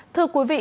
thưa quý vị